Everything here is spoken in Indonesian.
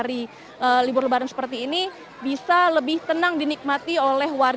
sehingga juga masyarakat diminta untuk bisa merelakan dirinya sedikit lebih lelah untuk memperoleh kursi